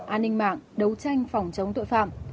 an ninh mạng đấu tranh phòng chống tội phạm